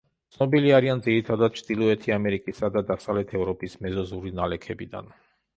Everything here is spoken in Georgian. ცნობილი არიან ძირითადად ჩრდილოეთი ამერიკისა და დასავლეთ ევროპის მეზოზოური ნალექებიდან.